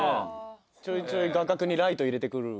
ちょいちょい画角にライト入れてくる。